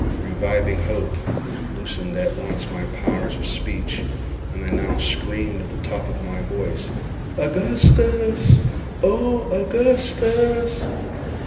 Reviving hope loosened at once my powers of speech, and I now screamed at the top of my voice, "Augustus! oh, Augustus!"